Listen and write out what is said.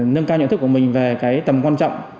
nâng cao nhận thức của mình về cái tầm quan trọng